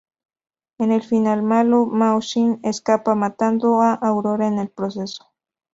En el final malo, Mao Shin escapa matando a Aurora en el proceso.